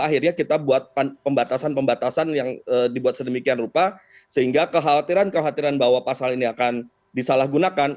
akhirnya kita buat pembatasan pembatasan yang dibuat sedemikian rupa sehingga kekhawatiran kekhawatiran bahwa pasal ini akan disalahgunakan